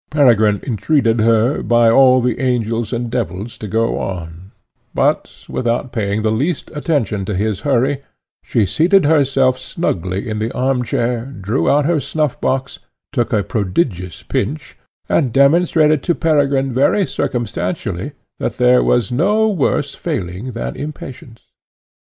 Peregrine entreated her, by all the angels and devils, to go on; but, without paying the least attention to his hurry, she seated herself snugly in the arm chair, drew out her snuffbox, took a prodigious pinch, and demonstrated to Peregrine very circumstantially, that there was no worse failing than impatience.